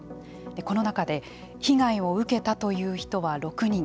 この中で被害を受けたという人は６人。